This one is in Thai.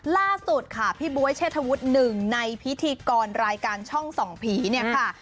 ล่าสุดค่ะพี่บ๊วยเชษฐวุฒิหนึ่งในพิธีกรรายการช่องส่องผีเนี่ยค่ะ